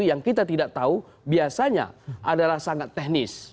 yang kita tidak tahu biasanya adalah sangat teknis